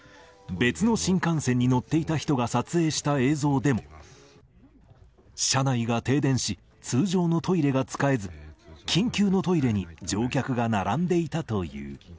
別の新幹線に乗っていた人が撮影した映像でも車内が停電し、通常のトイレが使えず、緊急のトイレに乗客が並んでいたという。